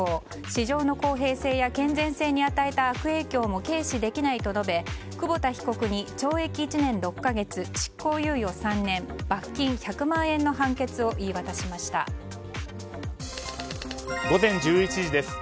市場の公平性や健全性に与えた悪影響も軽視できないと述べ久保田被告に懲役１年６か月執行猶予３年罰金１００万円の判決を午前１１時です。